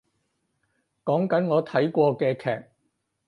講緊我睇過嘅劇